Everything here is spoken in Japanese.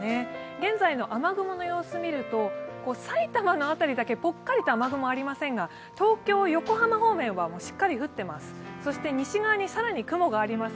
現在の雨雲の様子を見ると埼玉の辺りだけぽっかりと雨雲がありませんが、東京・横浜方面はしっかり降ってます。